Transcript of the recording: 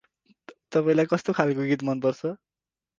तपाईँलाई कस्तो खालको गीत मनपर्छ?